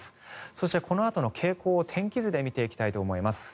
そして、このあとの傾向を天気図で見ていきたいと思います。